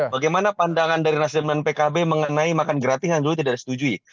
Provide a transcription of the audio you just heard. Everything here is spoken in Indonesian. bagaimana pandangan dari nasdem dan pkb mengenai makan gratis yang dulu tidak disetujui